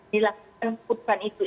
dilakukan keputusan itu